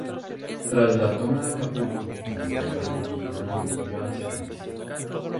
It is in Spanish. Tras la toma de Acapulco, Manuela Medina no volvió a ser vista.